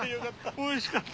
おいしかった！